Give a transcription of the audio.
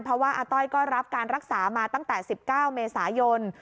เพราะว่าอาต้อยก็รับการรักษามาตั้งแต่๑๙เมษายน